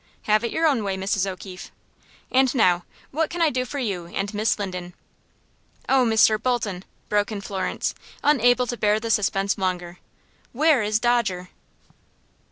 "Have it your own way, Mrs. O'Keefe. And now, what can I do for you and Miss Linden?" "Oh, Mr. Bolton," broke in Florence, unable to bear the suspense longer, "where is Dodger?"